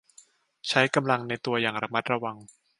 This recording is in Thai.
ใช้กำลังในตัวอย่างระมัดระวัง